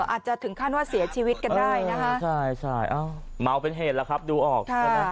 อาจจะถึงขั้นว่าเสียชีวิตกันได้นะฮะใช่เอ้ามัวเป็นเหตุล่ะครับดูออก